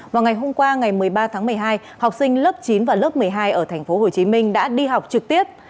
vào ngày hôm qua ngày một mươi ba tháng một mươi hai học sinh lớp chín và lớp một mươi hai ở tp hcm đã đi học trực tiếp